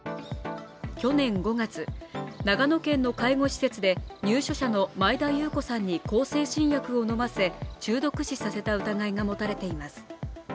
去年５月、長野県の介護施設で入所者の前田裕子さんに向精神薬を飲ませ中毒死させた疑いが持たれています。